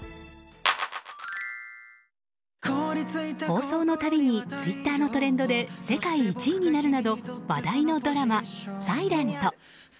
放送のたびにツイッターのトレンドで世界１位になるなど話題のドラマ「ｓｉｌｅｎｔ」。